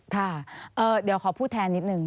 ค่ะเดี๋ยวขอพูดแทนนิดนึง